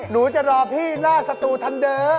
หนูจะรอพี่หน้าสตูทันเด้อ